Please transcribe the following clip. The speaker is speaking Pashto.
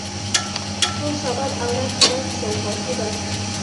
ټول سامان او رنګ په رنګ سوغاتونه